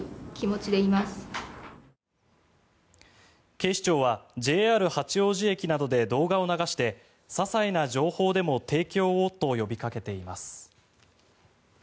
警視庁はＪＲ八王子駅などで動画を流してささいな情報でも提供をと呼びかけています。